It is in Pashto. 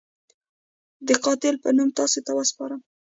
د قاتل په نوم تاسو ته وسپارم.